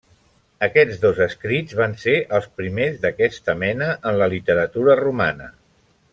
Aquests dos escrits van ser els primers d'aquesta mena en la literatura romana.